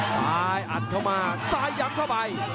ซ้ายอัดเข้ามาซ้ายยับเข้าไป